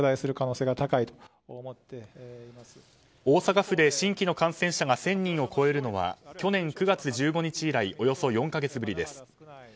大阪府で新規の感染者が１０００人を超えるのは去年９月１５日以来およそ４か月ぶりです。